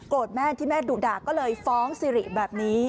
โกรธแม่ที่แม่ดุด่าก็เลยฟ้องซีรีย์แบบนี้